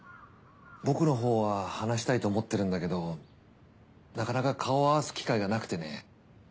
僕のほうは話したいと思ってるんだけどなかなか顔を合わす機会がなくてね。